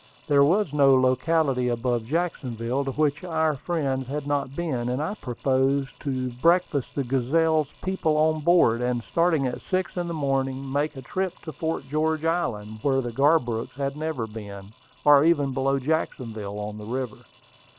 There was no locality above Jacksonville to which our friends had not been; and I proposed to breakfast the Gazelle's people on board, and starting at six in the morning make a trip to Fort George Island, where the Garbrooks had never been, or even below Jacksonville on the river.